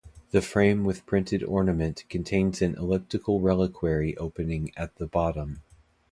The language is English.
The frame with printed ornament contains an elliptical reliquary opening at the bottom.